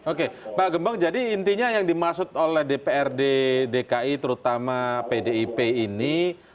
oke pak gembong jadi intinya yang dimaksud oleh dprd dki terutama pdip ini